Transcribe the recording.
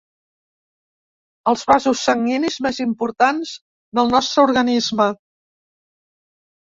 Els vasos sanguinis més importants del nostre organisme.